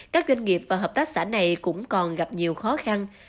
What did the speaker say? các doanh nghiệp và hợp tác xã này cũng còn gặp nhiều khó khăn